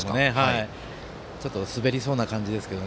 ちょっと滑りそうな感じですけど。